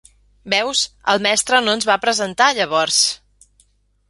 Veus, el mestre no ens va presentat, llavors.